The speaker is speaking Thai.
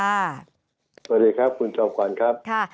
สวัสดีครับคุณจอมขวัญครับ